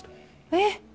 えっ！